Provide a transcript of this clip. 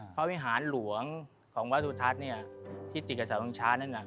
พระวิหารหลวงของวัดสุทัศน์เนี่ยที่ติดกับทรงชาฮิรวรรณนั่น